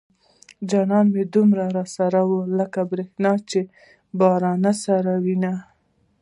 جانانه دومره را سره واي لکه بريښنا چې د بارانه سره وينه